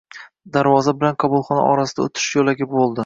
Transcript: Darvoza bilan qabulxona orasida o‘tish yo‘lagi bo‘ldi.